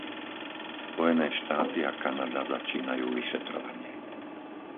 Spojené štáty a Kanada začínajú vyšetrovanie.